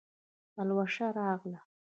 پلوشه راغله